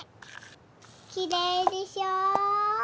きれいでしょ？